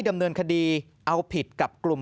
ดำเนินคดีเอาผิดกับกลุ่ม